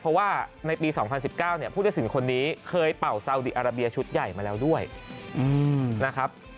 เพราะว่าในปี๒๐๑๙เนี่ยผู้ตัดสินคนนี้เคยเป่าซาวดีอาราเบียชุดใหญ่มาแล้วด้วยนะครับ